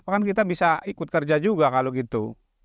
kan kita bisa ikut kerja juga kalau gitu